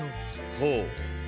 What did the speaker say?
ほう。